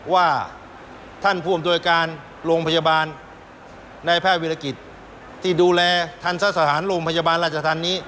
ว่าท่านผู้อำนวยการโรงพยาบาลในแพทย์วิรกิจที่ดูแลทันทรสถานโรงพยาบาลราชธรรมนี้